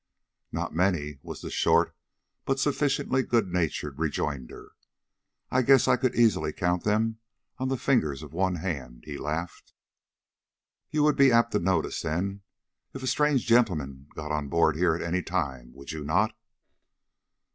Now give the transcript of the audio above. "Not many," was the short but sufficiently good natured rejoinder. "I guess I could easily count them on the fingers of one hand," he laughed. "You would be apt to notice, then, if a strange gentleman got on board here at any time, would you not?"